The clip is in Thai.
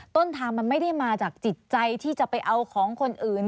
ต้นทางมันไม่ได้มาจากจิตใจที่จะไปเอาของคนอื่น